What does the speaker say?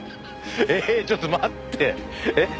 えっちょっと待って。